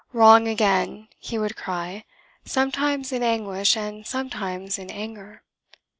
"Wrong again!" he would cry, sometimes in anguish and sometimes in anger.